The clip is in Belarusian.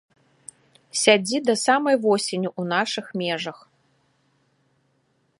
Сядзі да самай восені ў нашых межах.